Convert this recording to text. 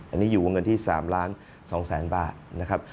อันนี้อยู่วงเงินที่๓๒๐๐๐๐บาทนะครับ